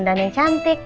dan yang cantik